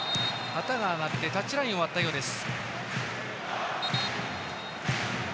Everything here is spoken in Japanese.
旗が上がってタッチラインを割ったようです。